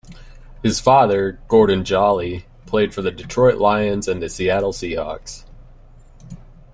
His father, Gordon Jolley, played for the Detroit Lions and the Seattle Seahawks.